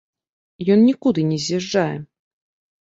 Ён нікуды не з'язджае.